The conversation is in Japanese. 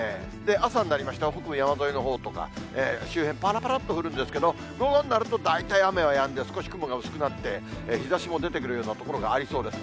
朝になりましたが、北部山沿いのほうとか、周辺ぱらぱらっと降るんですけど、午後になると、大体雨はやんで、少し雲が薄くなって、日ざしも出てくるような所がありそうです。